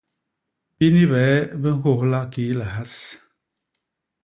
Bini bie bi nhôlha kii lihas.